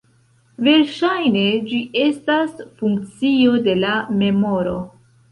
Verŝajne ĝi estas funkcio de la memoro.